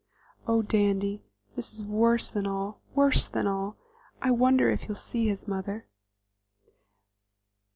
"Oh, Dandy, this is worse than all, worse than all! I wonder if he'll see his mother?"